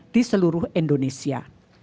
di seluruh indonesia